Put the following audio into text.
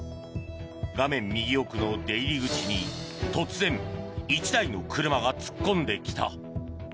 画面右奥の出入り口に突然１台の車が突っ込んできた。